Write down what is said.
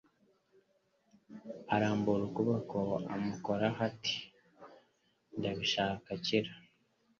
Arambura ukuboko amukoraho ati : "Ndabishaka kira."